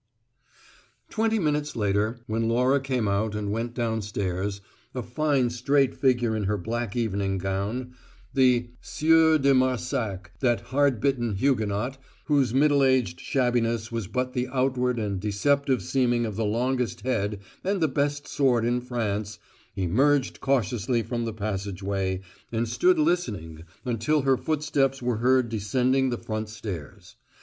Twenty minutes later, when Laura came out and went downstairs, a fine straight figure in her black evening gown, the Sieur de Marsac that hard bitten Huguenot, whose middle aged shabbiness was but the outward and deceptive seeming of the longest head and the best sword in France emerged cautiously from the passageway and stood listening until her footsteps were heard descending the front stairs.